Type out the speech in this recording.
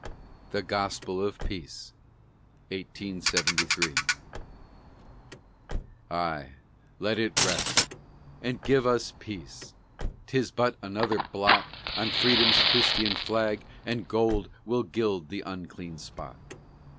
THE GOSPEL OF PEACE Ay, let it rest! And give us peace. 'Tis but another blot On Freedom's fustian flag, and gold Will gild the unclean spot.